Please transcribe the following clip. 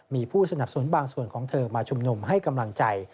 มีผู้สนับสนุนบางส่วนของเธอมาชุมนุมให้กำลังใจ